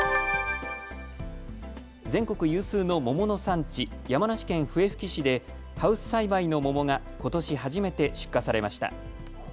全国有数の桃の産地、山梨県笛吹市でハウス栽培の桃がことし初めて出荷されました。